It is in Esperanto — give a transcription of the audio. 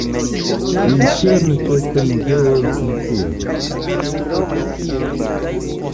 Interne ĉefe muzeoj funkcias.